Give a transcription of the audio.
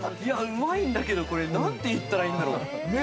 うまいんだけど、なんて言ったらいいんだろう？